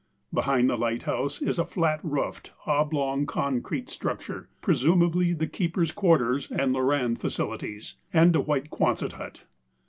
Behind the lighthouse is a flat roofed, oblong, concrete structure, presumably the keepers' quar┬¼ ters and loran facilities, and a white quonset hut.